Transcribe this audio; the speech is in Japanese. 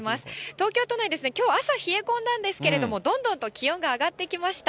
東京都内、きょう朝、冷え込んだんですけれども、どんどんと気温が上がってきました。